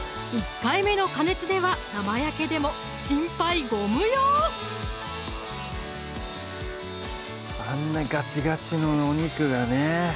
１回目の加熱では生焼けでも心配ご無用あんなガチガチのお肉がね